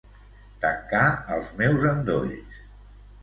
Tancar els meus endolls.